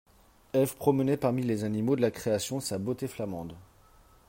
Eve promenait parmi les animaux de la création sa beauté flamande.